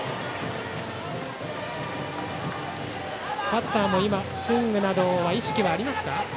バッターもスイングなどの意識はありますか？